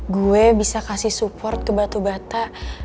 gue bisa kasih support ke batu bata